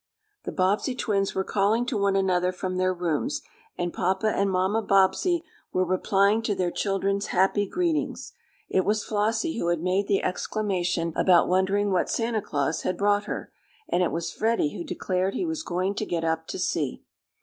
The Bobbsey twins were calling to one another from their rooms, and papa and mamma Bobbsey were replying to their children's happy greetings. It was Flossie who had made the exclamation about wondering what Santa Claus had brought her, and it was Freddie who declared he was going to get up to see.